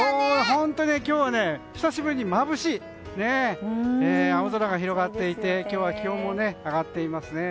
本当に今日は久しぶりにまぶしい青空が広がっていて今日は気温も上がっていますね。